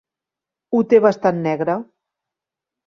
Ho té bastant negre.